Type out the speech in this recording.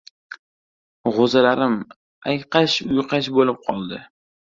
G‘o‘zalarim ayqash-uyqash bo‘lib qoldi.